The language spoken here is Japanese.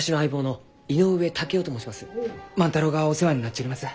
万太郎がお世話になっちょります。